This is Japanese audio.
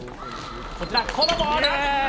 こちら、このボール。